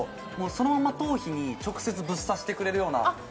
そのまま頭皮に直接ぶっ刺してくれるようなあっ